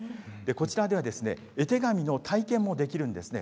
こちらでは、絵手紙の体験もできるんですね。